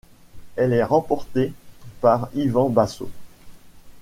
Elle est remportée par Ivan Basso.